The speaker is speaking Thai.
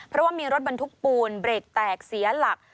เพราะว่ามีรถบรรทุกปูนเบรกแตกเสียหลัก